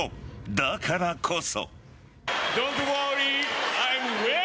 だからこそ。